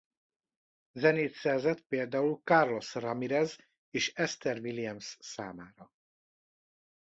Zenét szerzett például Carlos Ramírez és Esther Williams számára.